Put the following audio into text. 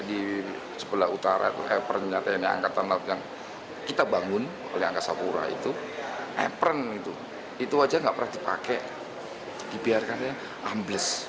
itu saja tidak pernah dipakai dibiarkan saja ambles